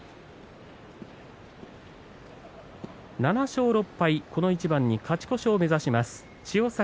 ７勝６敗、この一番に勝ち越しを目指します千代栄。